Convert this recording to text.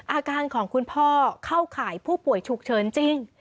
อาการของคุณพ่อเข้าข่ายผู้ป่วยฉุกเฉินจริง